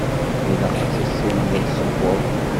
Ilaq ad tissineḍ ad tessewweḍ.